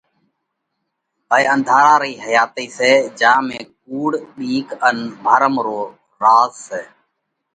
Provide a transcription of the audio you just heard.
هائي انڌارا رئِي حياتئِي سئہ جيا ۾ ڪُوڙ، ٻِيڪ ان ڀرم رو راز سئہ۔